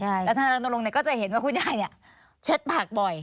แล้วธนารณรงค์เนี่ยก็จะเห็นว่าคุณยายเนี่ยเช็ดปากบ่อย